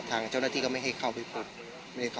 มันไม่ใช่แหละมันไม่ใช่แหละมันไม่ใช่แหละ